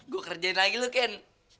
gue kerjain lagi lo ken